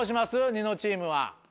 ニノチームは。